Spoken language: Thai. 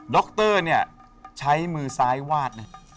ด็อกเตอร์เนี่ยใช้มือซ้ายวาด